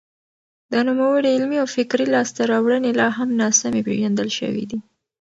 د نوموړي علمي او فکري لاسته راوړنې لا هم ناسمې پېژندل شوې دي.